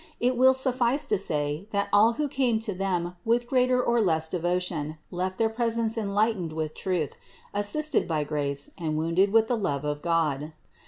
It will suffice to say that all who came to Them with greater or less devotion, left their presence enlightened with truth, assisted by grace and wounded with the love of God.